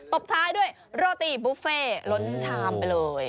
บท้ายด้วยโรตีบุฟเฟ่ล้นชามไปเลย